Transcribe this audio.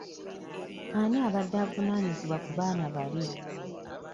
Ani abadde avunaanyizibwa ku baana bali?